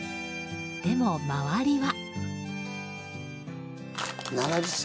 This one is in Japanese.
でも、周りは。